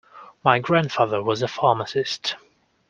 My grandfather was a pharmacist.